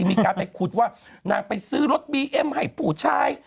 มีการไปขุดว่านางไปซื้อรถบีเอ็มให้ผู้ชาย